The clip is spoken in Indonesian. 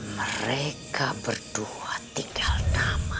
mereka berdua tinggal nama